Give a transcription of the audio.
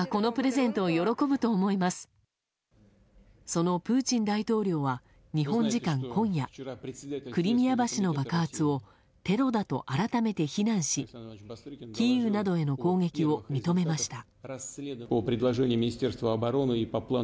そのプーチン大統領は日本時間今夜クリミア橋の爆発をテロだと改めて非難しキーウなどへの攻撃を認めました。